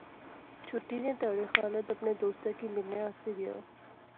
چُھٹی نے تہاڑے خالد اپنے دوستا کی ملنے آسطے گیا